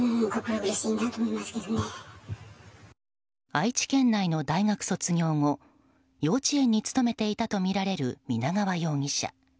愛知県内の大学卒業後幼稚園に勤めていたとみられる皆川容疑者。